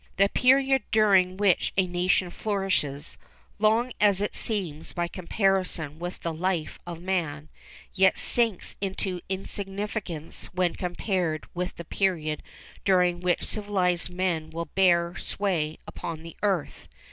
The period during which a nation flourishes, long as it seems by comparison with the life of man, yet sinks into insignificance when compared with the period during which civilised men will bear sway upon the earth.